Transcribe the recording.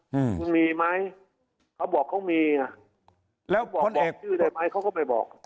ฮืมมีมั้ยเขาบอกเขามีผมบอกชื่อได้มั้ยเขาก็ไม่บอก